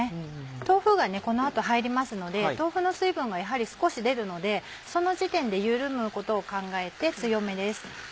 豆腐がこの後入りますので豆腐の水分がやはり少し出るのでその時点で緩むことを考えて強めです。